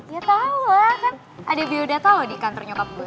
ya tau lah kan ada biodata loh di kantor nyokap gue